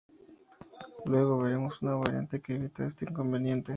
Luego veremos una variante que evita este inconveniente.